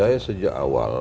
saya sejak awal